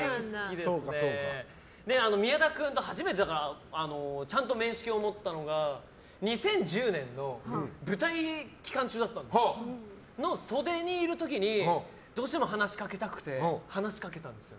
宮田君と初めてちゃんと面識を持ったのが２０１０年の舞台期間中の袖にいる時にどうしても話しかけたくて話しかけたんですよ。